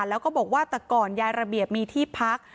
แล้วก็บอกว่าแต่ก่อนยายระเบียบมีที่พัก